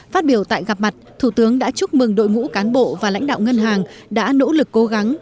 phát biểu tại gặp mặt thủ tướng đã chúc mừng đội ngũ cán bộ và lãnh đạo ngân hàng đã nỗ lực cố gắng